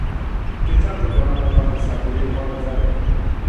ټیکټاک د ځوانانو لپاره د ساعت تېري غوره ځای دی.